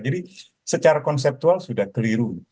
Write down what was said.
jadi secara konseptual sudah keliru